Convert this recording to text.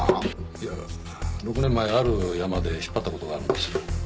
いや６年前あるヤマで引っ張ったことがあるんです